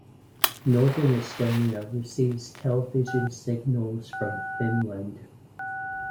Northern Estonia receives television signals from Finland.